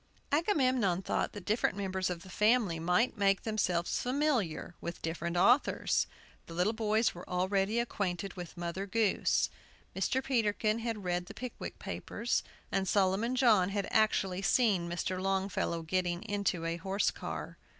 Agamemnon thought that different members of the family might make themselves familiar with different authors; the little boys were already acquainted with "Mother Goose." Mr. Peterkin had read the "Pickwick Papers," and Solomon John had actually seen Mr. Longfellow getting into a horse car.